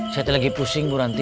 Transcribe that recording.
saya lagi pusing bu ranti